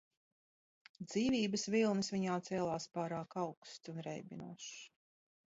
Dzīvības vilnis viņā cēlās pārāk augsts un reibinošs.